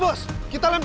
kalo mau kalian berdua